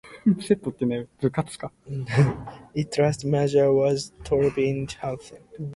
Its last mayor was Torben Jensen.